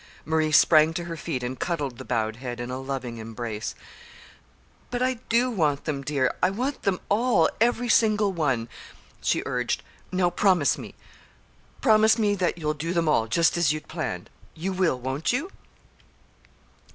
Marie sprang to her feet and cuddled the bowed head in a loving embrace. "But I do want them, dear; I want them all every single one," she urged. "Now promise me promise me that you'll do them all, just as you'd planned! You will, won't you?"